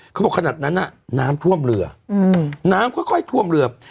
เขาบอกขนาดนั้นน่ะน้ำท่วมเรืออืมน้ำค่อยค่อยท่วมเรือ